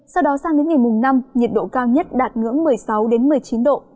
sau đó sang đến ngày mùng năm nhiệt độ cao nhất đạt ngưỡng một mươi sáu một mươi chín độ